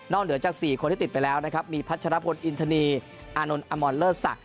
นอกเหนือจาก๔คนที่ติดไปแล้วนะครับมีพัชนพลอินทณีอานนท์อมอนเลอร์สัก